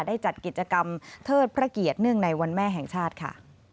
ได้จัดกิจกรรมเทิดพระเกียรติเนื่องในวันแม่แห่งชาติค่ะ